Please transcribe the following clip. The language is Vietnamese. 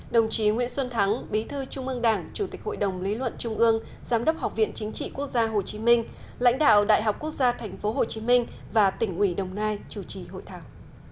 đồng chí nguyễn xuân thắng bí thư trung ương đảng chủ tịch hội đồng lý luận trung ương giám đốc học viện chính trị quốc gia hồ chí minh lãnh đạo đại học quốc gia thành phố hồ chí minh và tỉnh ủy đồng nai chủ trì hội thảo